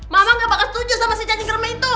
mama gak bakal setuju sama si cacing kermi itu